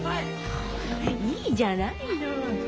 いいじゃないの。